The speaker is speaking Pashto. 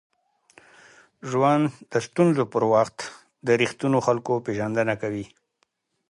ژوند د ستونزو پر وخت د ریښتینو خلکو پېژندنه کوي.